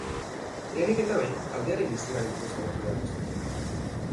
Lehenik eta behin, taldearen izenari buruz galdetu behar dizut.